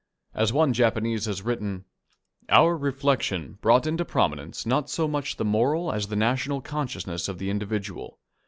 As one Japanese has written: "Our reflection brought into prominence not so much the moral as the national consciousness of the individual.